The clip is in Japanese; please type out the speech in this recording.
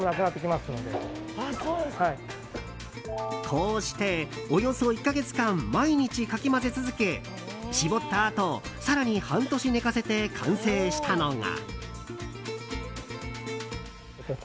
こうしておよそ１か月間毎日かき混ぜ続け搾ったあと更に半年寝かせて完成したのが。